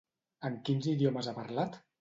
En quins idiomes ha parlat?